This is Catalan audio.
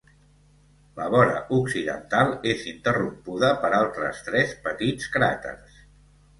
La vora occidental és interrompuda per altres tres petits cràters.